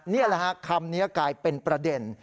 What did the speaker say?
นี่แหละฮะคำนี้กลายเป็นประเด็น